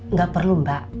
nggak perlu mbak